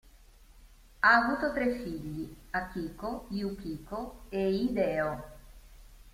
Ha avuto tre figli, Akiko, Yukiko, e Hideo.